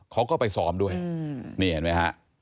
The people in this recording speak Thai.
เขาก็ไปซ้อมด้วยนี่เห็นไหมฮะ